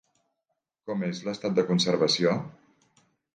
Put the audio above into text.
Com és l'estat de conservació?